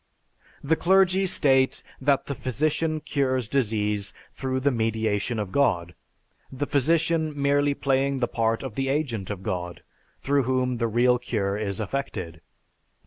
The clergy state that the physician cures disease through the mediation of God, the physician merely playing the part of the agent of God, through whom the real cure is effected.